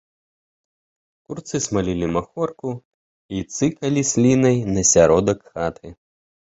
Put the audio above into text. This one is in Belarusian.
Курцы смалілі махорку і цыкалі слінай на сяродак хаты.